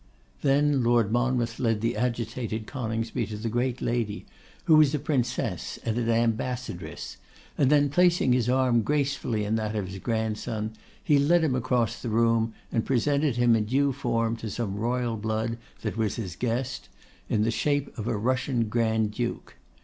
Then Lord Monmouth led the agitated Coningsby to the great lady, who was a Princess and an Ambassadress, and then, placing his arm gracefully in that of his grandson, he led him across the room, and presented him in due form to some royal blood that was his guest, in the shape of a Russian Grand duke.